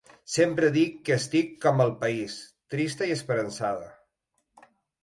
Sempre dic que estic com el país, trista i esperançada.